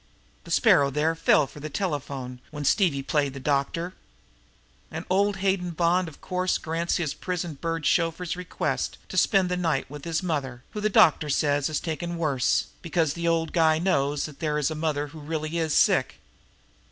The Sparrow there fell for the telephone when Stevie played the doctor. And old Hayden Bond of course grants his prison bird chauffeur's request to spend the night with his mother, who the doctor says is taken worse, because the old guy knows there is a mother who really is sick.